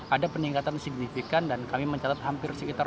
ada peningkatan signifikan dan kami mencatat hampir sekitar